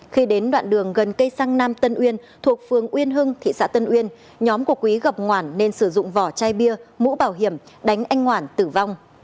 khi đến đoạn đường gần cây sang nam tân uyên thuộc phường uyên hưng thị xã tân uyên nhóm của quý gặp ngoản nên sử dụng vỏ chai bia mũ bảo hiểm đánh anh ngoản tử vong